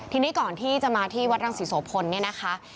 ทีนี้ก่อนที่จะมาที่วัดรังศรีโสพลเนี่ยนะคะ